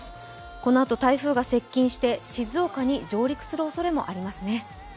このあと台風が接近して、静岡に上陸するおそれもありますね。